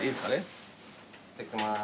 いただきます。